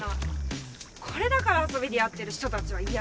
これだから遊びでやってる人たちは嫌なのよ。